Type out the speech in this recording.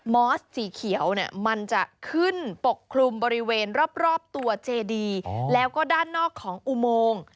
อสสีเขียวเนี่ยมันจะขึ้นปกคลุมบริเวณรอบตัวเจดีแล้วก็ด้านนอกของอุโมง